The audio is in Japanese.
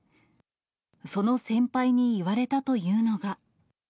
その先輩に言われたというのが。